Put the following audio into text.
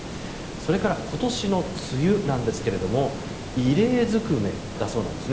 それから今年の梅雨なんですが異例ずくめだそうです。